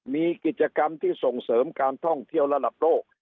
มีกิจกรรมที่ส่งเสริมการท่องเที่ยวระดับโลก